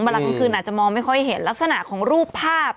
กลางคืนอาจจะมองไม่ค่อยเห็นลักษณะของรูปภาพ